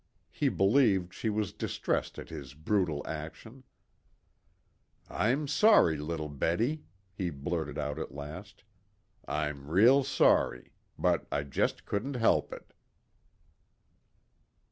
He believed she was distressed at his brutal action. "I'm sorry, little Betty," he blurted out at last. "I'm real sorry. But I just couldn't help it."